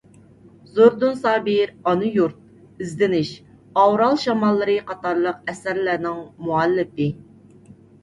زوردۇن سابىر «ئانا يۇرت»، «ئىزدىنىش»، «ئاۋرال شاماللىرى» قاتارلىق ئەسەرلەرنىڭ مۇئەللىپى.